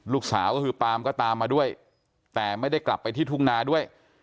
ลูกสาวก็คือปาล์มก็ตามมาด้วยแต่ไม่ได้กลับไปที่ทุ่งนาด้วย